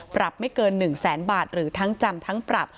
ปรับไม่เกิน๑แสนบาทหรือทั้งจำทั้งปรับ